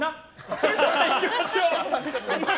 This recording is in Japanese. それではいってみましょう。